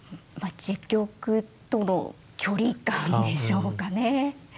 時局との距離感でしょうかね。